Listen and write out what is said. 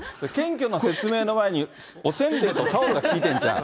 謙虚な説明の前に、おせんべいとタオルがきいてるんちゃう？